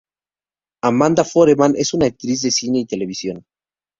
Amanda Foreman es una actriz de cine y televisión.